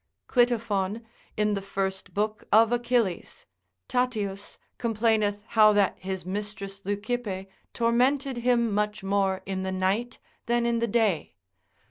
Clitophon, in the first book of Achilles, Tatius, complaineth how that his mistress Leucippe tormented him much more in the night than in the day.